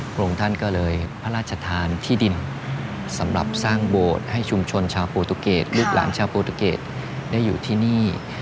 พระองค์ท่านก็เลยพระราชทานที่ดินสำหรับสร้างโบสถ์ให้ชุมชนชาวโปรตุเกตลูกหลานชาวโปรตุเกตได้อยู่ที่นี่